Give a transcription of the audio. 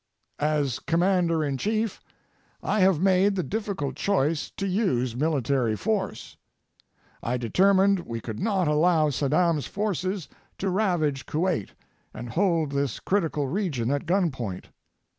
As Commander in Chief, I have made the difficult choice to use military force. I determined we could not allow Saddam's forces to ravage Kuwait and hold this critical region at gunpoint.